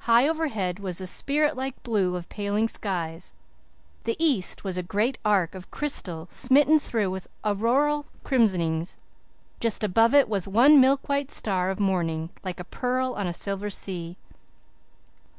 High overhead was the spirit like blue of paling skies; the east was a great arc of crystal, smitten through with auroral crimsonings; just above it was one milk white star of morning, like a pearl on a silver sea.